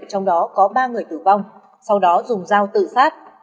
trong đó có ba người tử vong sau đó dùng dao tự sát